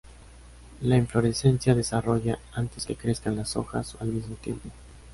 La inflorescencia se desarrolla antes que crezcan las hojas, o al mismo tiempo.